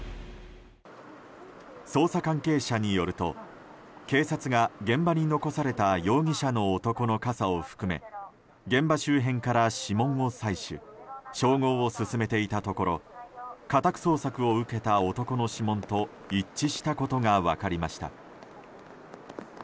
捜査関係者によると警察が現場に残された容疑者の男の傘を含め現場周辺から指紋を採取照合を進めていたところ家宅捜索を受けた男の指紋と一致したことが分かりました。